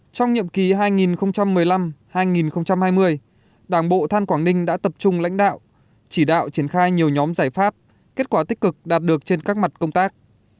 trong nhiệm kỳ hai nghìn một mươi năm hai nghìn hai mươi đảng bộ than quảng ninh đã tập trung lãnh đạo chỉ đạo triển khai nhiều nhóm giải pháp kết quả tích cực đạt được trên các mặt công tác